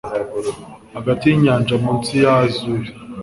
Hagati yinyanja munsi ya azure